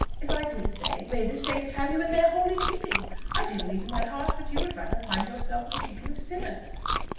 if I did say, May the saints have you in their holy keeping! I do believe in my heart that you would rather find yourself in the keeping of sinners."